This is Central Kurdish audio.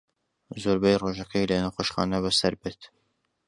زۆربەی ڕۆژەکەی لە نەخۆشخانە بەسەر برد.